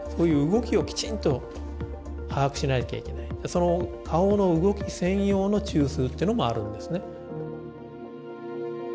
その顔の動き専用の中枢っていうのもあるんですね。